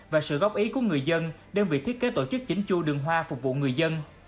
và sự góp ý của người dân đến việc thiết kế tổ chức chính chu đường hoa phục vụ người dân